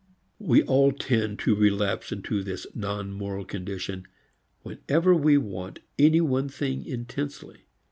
We all tend to relapse into this non moral condition whenever we want any one thing intensely.